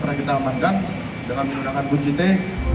pernah kita amankan dengan